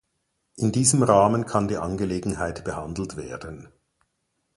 In diesem Rahmen kann die Angelegenheit behandelt werden.